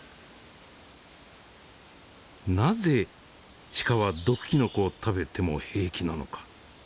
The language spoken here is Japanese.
なぜシカは毒キノコを食べても平気なのか。